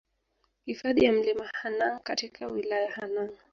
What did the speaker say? Hifadhi ya Mlima Hanang katika wilaya Hanang